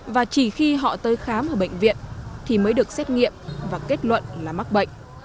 và chỉ khi họ tới khám ở bệnh viện thì mới được xét nghiệm và kết luận là mắc bệnh